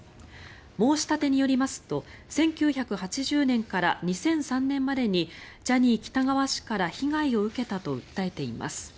申し立てによりますと１９８０年から２００３年までにジャニー喜多川氏から被害を受けたと訴えています。